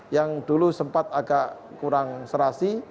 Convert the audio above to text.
yang dulu sempat agak kurang serasi